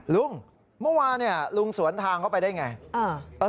ลุงเมื่อวานลุงสวนทางเข้าไปได้ไง